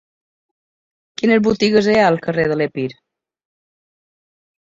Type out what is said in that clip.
Quines botigues hi ha al carrer de l'Epir?